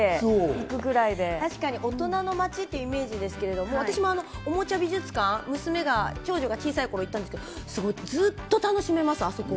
大人の街っていうイメージですけれども、私もおもちゃ美術館、長女が小さい頃行ったんですけど、ずっと楽しめます、あそこは。